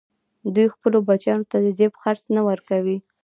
دوی خپلو بچیانو ته د جېب خرڅ نه ورکوي